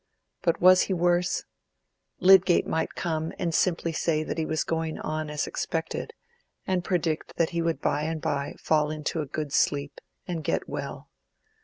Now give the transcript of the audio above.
But was he worse? Lydgate might come and simply say that he was going on as he expected, and predict that he would by and by fall into a good sleep, and get well.